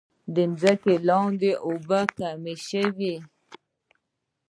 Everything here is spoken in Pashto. د ځمکې لاندې اوبه کمې شوي؟